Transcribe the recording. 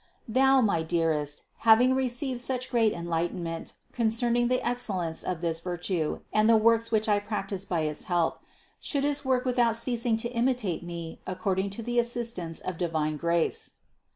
514. Thou, my dearest, having received such great en lightenment concerning the excellence of this virtue and the works which I practiced by its help, shouldst work without ceasing to imitate me according to the assistance of divine grace.